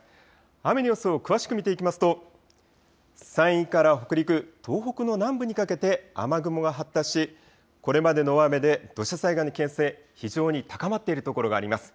雨の様子を詳しく見ていきますと、山陰から北陸、東北の南部にかけて雨雲が発達し、これまでの大雨で土砂災害の危険性、非常に高まっている所があります。